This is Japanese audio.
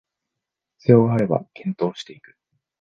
必要があれば検討していく